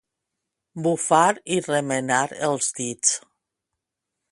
Bufar i remenar els dits.